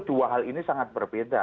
dua hal ini sangat berbeda